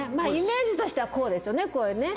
イメージとしてはこうですよね。